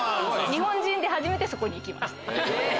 日本人で初めてそこに行きました。